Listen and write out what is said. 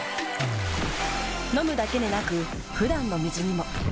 飲むだけでなく普段の水にも。